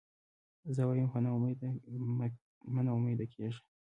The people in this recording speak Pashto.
زه وایم مه نا امیده کېږی.